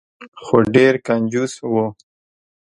خو ډیر کنجوس و.